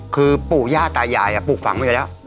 คือปู่ย่าตายายอ่ะปลูกฝังไปแล้ว